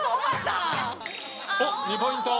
おっ２ポイント！